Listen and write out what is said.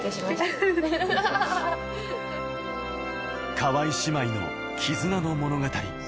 川井姉妹の絆の物語。